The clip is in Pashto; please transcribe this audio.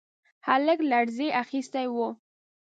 هلک لړزې اخيستی و.